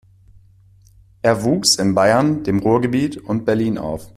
Er wuchs in Bayern, dem Ruhrgebiet und Berlin auf.